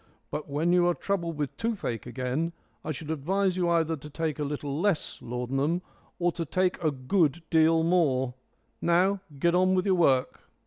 But when you are troubled with toothache again I should advise you either to take a little less laudanum or to take a good deal more. Now get on with your work."